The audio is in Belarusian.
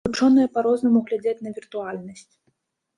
Вучоныя па-рознаму глядзяць на віртуальнасць.